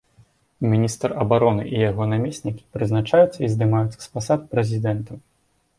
Міністр абароны і яго намеснікі прызначаюцца і здымаюцца з пасад прэзідэнтам.